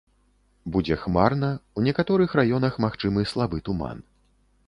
Будзе хмарна, у некаторых раёнах магчымы слабы туман.